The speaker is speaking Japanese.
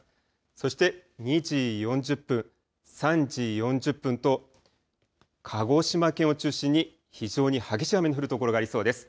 そして２時４０分、３時４０分と鹿児島県を中心に非常に激しい雨の降る所がありそうです。